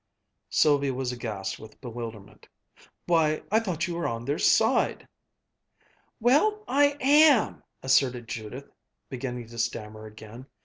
Sylvia was aghast with bewilderment. "Why, I thought you were on their side!" "Well, I am!" asserted Judith, beginning to stammer again.